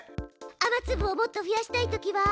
雨つぶをもっと増やしたいときは？